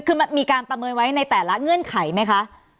คือมันมีการประเมินไว้ในแต่ละเงื่อนไขไหมคะ